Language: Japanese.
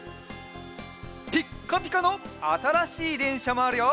ピッカピカのあたらしいでんしゃもあるよ！